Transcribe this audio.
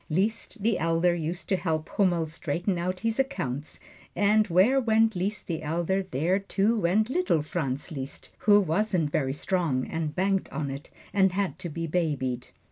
Liszt the Elder used to help Hummel straighten out his accounts, and where went Liszt the Elder, there, too, went little Franz Liszt, who wasn't very strong and banked on it, and had to be babied.